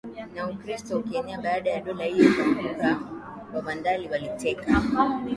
na Ukristo ukaenea Baada ya dola hilo kuanguka Wavandali waliteka